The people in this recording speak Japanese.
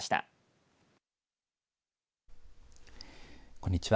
こんにちは。